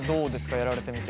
やられてみて。